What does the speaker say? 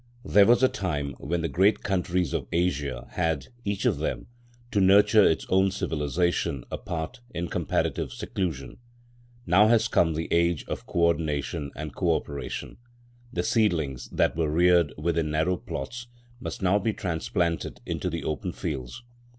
There was a time when the great countries of Asia had, each of them, to nurture its own civilisation apart in comparative seclusion. Now has come the age of co ordination and co operation. The seedlings that were reared within narrow plots must now be transplanted into the open fields.